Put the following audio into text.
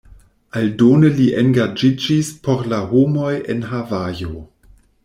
Aldone li engaĝiĝis por la homoj en Havajo.